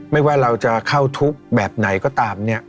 ไม่ว่าเราจะเข้าทุกข์แบบไหนก็ตามเนี่ย